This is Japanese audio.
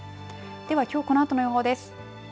ではきょうこのあとの予報です。